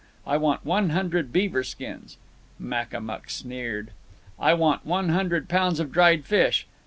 I want one hundred beaver skins." (Makamuk sneered.) "I want one hundred pounds of dried fish."